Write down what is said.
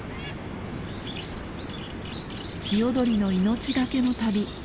ヒヨドリの命懸けの旅。